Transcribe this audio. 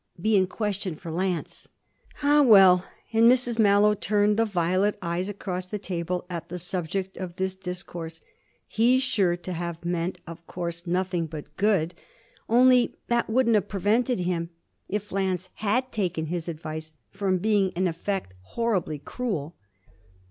be in question for Lance.' 'Ah well' and Mrs Mallow turned the violet eyes across the table at the subject of this discourse 'he's sure to have meant of course nothing but good. Only that wouldn't have prevented him, if Lance had taken his advice, from being in effect horribly cruel.'